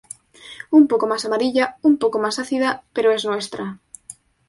Un poco más amarilla, un poco más ácida, pero es nuestra.